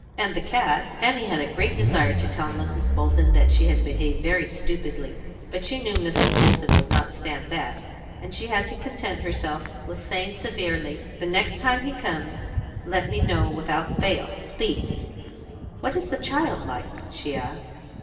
"And the cat." Annie had a great desire to tell Mrs. Bolton that she had behaved very stupidly. But she knew Mrs. Bolton would not stand that, and she had to content herself with saying, severely, "The next time he comes, let me know without fail, please. What is the child like?" she asked.